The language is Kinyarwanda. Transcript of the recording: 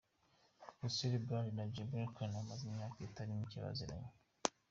Russell Brand na Jemima Khan bamaze imyaka itari mike baziranye.